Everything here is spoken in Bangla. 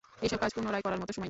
এসব কাজ পুনরায় করার মতো সময় নেই।